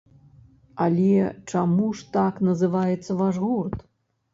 Але чаму ж так называецца ваш гурт?